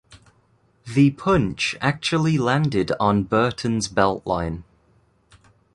The punch actually landed on Burton's beltline.